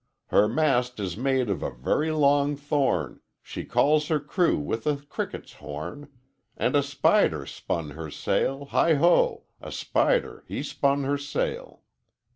'Her mast is made of a very long thorn, She calls her crew with a cricket's horn, And a spider spun her sail Heigh ho! A spider he spun her sail.